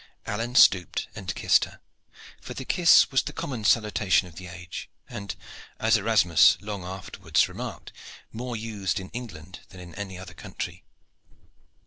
Alleyne stooped and kissed her, for the kiss was the common salutation of the age, and, as Erasmus long afterwards remarked, more used in England than in any other country.